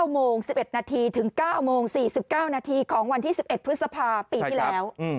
๙โมง๑๑นาทีถึง๙โมง๔๙นาทีของวันที่๑๑พฤษภาปีที่แล้ว